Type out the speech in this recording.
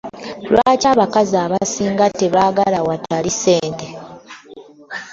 Lwaki abakazi abasinga tebaagala watali ssente?